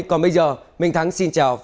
còn bây giờ mình thắng xin chào và hẹn gặp lại